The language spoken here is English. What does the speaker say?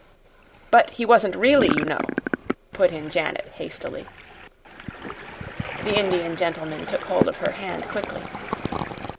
"But he wasn't really, you know," put in Janet, hastily. The Indian gentleman took hold of her hand quickly.